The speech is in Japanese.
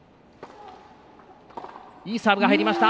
いいサーブが入りました！